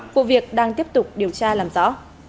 cụ việc đang tiếp tục điều tra làm rõ